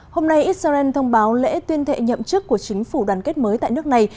hôm nay israel thông báo lễ tuyên thệ nhậm chức của chính phủ đoàn kết mới tại nước này